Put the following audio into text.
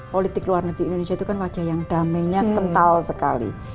politik luar negeri indonesia itu kan wajah yang damainya kental sekali